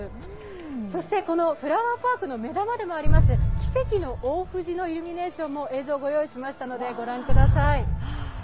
そしてこのフラワーパークの目玉でもあります、奇跡の大藤の映像をご用意しましたので御覧ください。